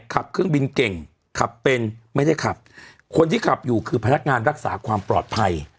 ขับเครื่องบินเก่งขับเป็นไม่ได้ขับคนที่ขับอยู่คือพนักงานรักษาความปลอดภัย